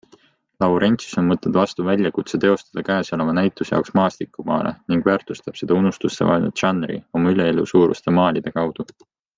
Laurentsius on võtnud vastu väljakutse teostada käesoleva näituse jaoks maastikumaale ning väärtustab seda unustusse vajunud žanri oma üleelusuuruste maalide kaudu.